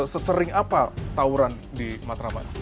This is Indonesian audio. sesering apa tauran di matraman